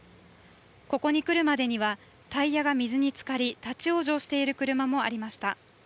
ここに来るまでにはタイヤが水につかり立往生している車もありました。